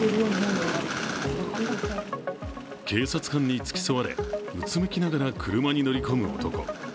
警察官に付き添われ、うつむきながら車に乗り込む男。